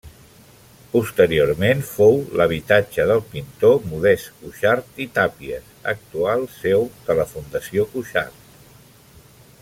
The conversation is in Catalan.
Posteriorment, fou l'habitatge del pintor Modest Cuixart i Tàpies, actual seu de la Fundació Cuixart.